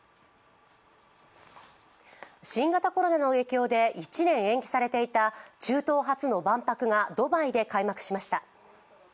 新型コロナの影響で１年延期されていた中東初の万博がドバイで開幕しました。